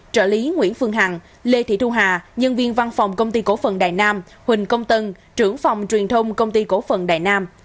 trợ lý nguyễn phương hằng lê thị thu hà nhân viên văn phòng công ty cổ phần đài nam huỳnh công tân trưởng phòng truyền thông công ty cổ phần đài nam